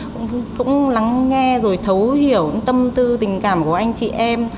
cũng lắng nghe rồi thấu hiểu tâm tư tình cảm của anh chị em